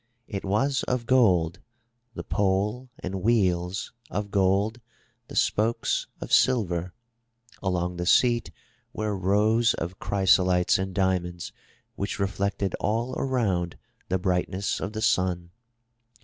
It was of gold, the pole and wheels of gold, the spokes of silver. Along the seat were rows of chrysolites and diamonds which reflected all around the brightness of the sun.